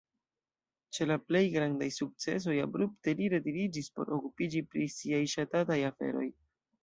Ĉe la plej grandaj sukcesoj, abrupte, li retiriĝis por okupiĝi pri siaj ŝatataj aferoj.